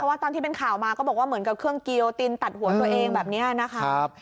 ว่าตอนที่เป็นข่าวมาก็บอกว่าเหมือนกับเครื่องเกียวตินตัดหัวตัวเองแบบนี้นะครับ